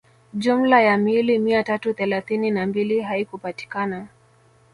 Jumla ya miili mia tatu thelathini na mbili haikupatikana